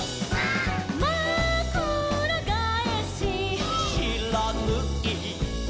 「まくらがえし」「」「しらぬい」「」